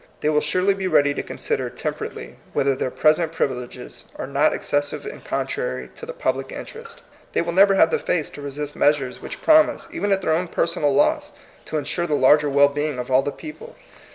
They will surely be ready to consider temperately whether their present privileges are not excessive and contrary to the public interest. They will never have the face to resist measures which promise, even at their own personal loss, to insure the larger well being of all the people.